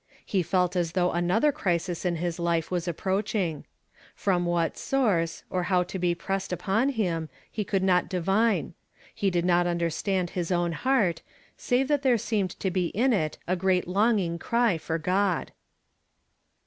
He felt as though another crisis in his life was approach ing. From what source, or how to be pressed ujjon him, he could not divine. He did not understand his own heart, save that there seemed to be in it a great longing cry for God.